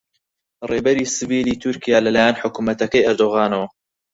ڕێبەری سڤیلی تورکیا لەلایەن حکوومەتەکەی ئەردۆغانەوە